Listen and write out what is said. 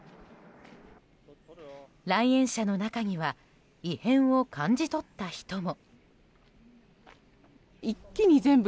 来園者の中には異変を感じ取った人も。